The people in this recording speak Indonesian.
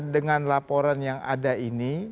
dengan laporan yang ada ini